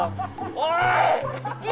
おい！！